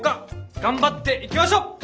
頑張っていきましょう！